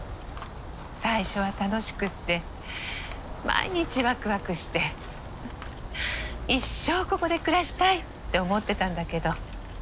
最初は楽しくて毎日ワクワクして一生ここで暮らしたいって思ってたんだけど。